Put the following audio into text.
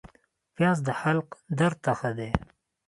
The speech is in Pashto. پیاز د حلق درد ته ښه دی